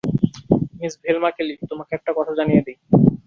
Miss Velma Kelly, তোমাকে একটা কথা জানিয়ে দেই।